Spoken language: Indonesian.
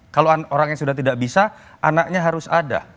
kalau orang yang sudah tidak bisa anaknya harus ada